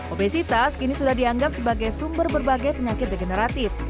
obesitas kini sudah dianggap sebagai sumber berbagai penyakit degeneratif